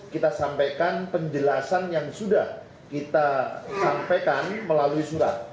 kita sampaikan penjelasan yang sudah kita sampaikan melalui surat